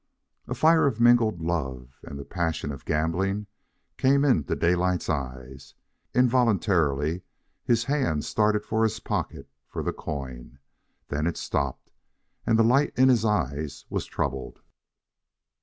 A fire of mingled love and the passion of gambling came into Daylight's eyes. Involuntarily his hand started for his pocket for the coin. Then it stopped, and the light in his eyes was troubled.